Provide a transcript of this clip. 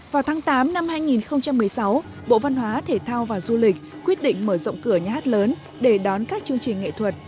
vào tháng tám năm hai nghìn một mươi sáu bộ văn hóa thể thao và du lịch quyết định mở rộng cửa nhà hát lớn để đón các chương trình nghệ thuật